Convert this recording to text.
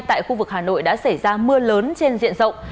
tại khu vực hà nội đã xảy ra mưa lớn trên diện rộng